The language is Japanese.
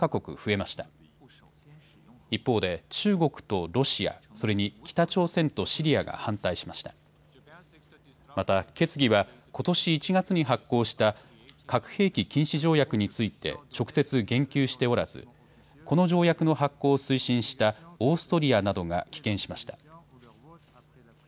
また決議は、ことし１月に発効した核兵器禁止条約について直接言及しておらずこの条約の発効を推進したオーストリアなどが棄権しました。